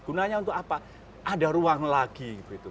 guna nya untuk apa ada ruang lagi